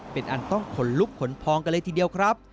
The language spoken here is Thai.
เป็นอันต้องขนลุกขนพองกันเลยทีเดียวครับ